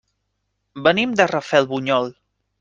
Venim de Rafelbunyol.